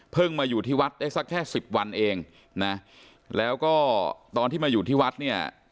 มาอยู่ที่วัดได้สักแค่สิบวันเองนะแล้วก็ตอนที่มาอยู่ที่วัดเนี่ย